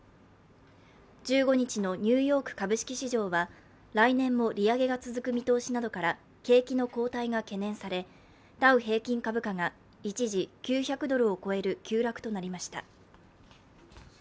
１５日のニューヨーク株式市場は来年も利上げが続く見通しなどから景気の後退が懸念されダウ平均株価が一時９００ドルを超える急落となりました。